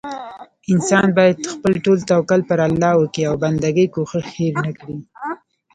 انسان بايد خپل ټول توکل پر الله وکي او بندګي کوښښ هير نه کړي